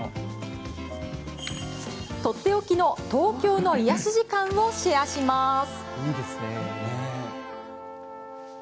とっておきの東京の癒やし時間をシェアします。